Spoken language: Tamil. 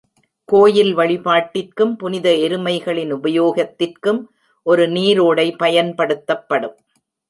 கோயில் வழிபாட்டிற்கும், புனித எருமைகளின் உபயோகத்திற்கும் ஒரு நீரோடை பயன்படுத்தப்படும்.